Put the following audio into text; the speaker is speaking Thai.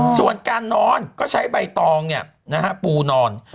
ส่วนการนอนก็ใช้ใบตองปูนอน